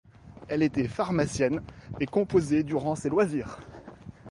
Elle était pharmacienne et composait durant ses loisirs.